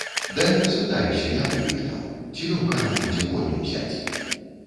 Дай распытаюся, як у іх там, ці лёгка нам будзе коні ўзяць?